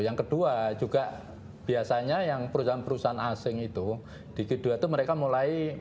yang kedua juga biasanya yang perusahaan perusahaan asing itu di kedua itu mereka mulai